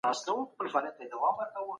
عالمان بېلابېل ډولونه لري.